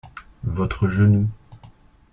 Votre genou.